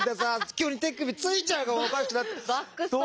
急に手首ついちゃうからおかしくなって！